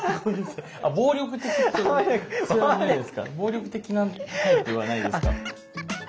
暴力的なタイプはないですか。